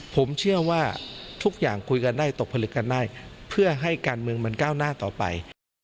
ผมเชื่อว่าทุกอย่างคุยกันได้ตกผลึกกันได้เพื่อให้การเมืองมันก้าวหน้าต่อไป